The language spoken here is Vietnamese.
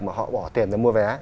mà họ bỏ tiền ra mua vé